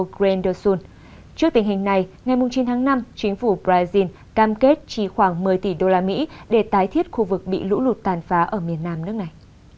trước tình hình này ngày chín tháng năm chính phủ brazil cam kết chi khoảng một mươi tỷ usd để tái thiết khu vực bị lũ lụt tàn phá ở miền nam nước này